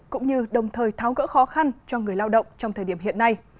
cũng như đồng thời tháo gỡ khó khăn cho người lao động trong thời điểm hiện nay